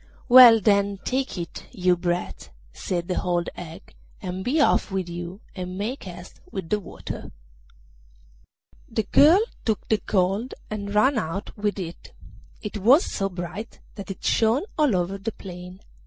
'Well, then, take it, you brat,' said the old hag, 'and be off with you, and make haste with the water.' The girl took the gold and ran out with it, and it was so bright that it shone all over the plain.